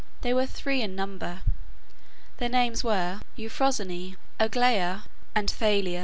They were three in number. Their names were Euphrosyne, Aglaia, and Thalia.